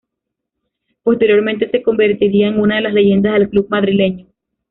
Posteriormente se convertiría en una de las leyendas del club madrileño.